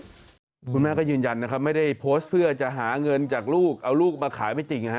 หมายใจที่คุณแม่ยืนยันไม่ได้โพสเตอร์เพื่อจะหาเงินจากลูกเอาลูกมาขายไม่จริง